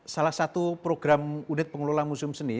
salah satu program unit pengelola museum seni